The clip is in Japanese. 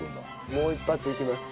もう一発いきます。